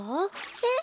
えっ？